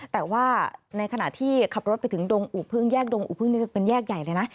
แต่ว่าในขณะที่ขับรถไปถึงดงอุพึ่งแยกดงอุพึ่งนี่จะเป็นแยกใหญ่เลยนะ